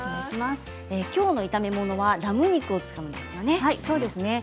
きょうの炒め物はラム肉を使うんですよね。